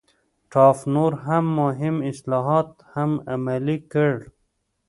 ټافت نور مهم اصلاحات هم عملي کړل.